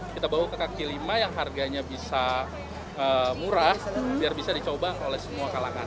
kita bawa ke kaki lima yang harganya bisa murah biar bisa dicoba oleh semua kalangan